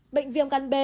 bệnh viên gan b